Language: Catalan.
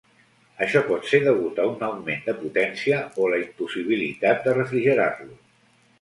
Això pot ser degut a un augment de potència o la impossibilitat de refrigerar-lo.